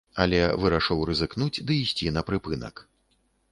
Але вырашыў рызыкнуць ды ісці на прыпынак.